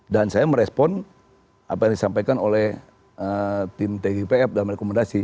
saya merespon apa yang disampaikan oleh tim tgipf dalam rekomendasi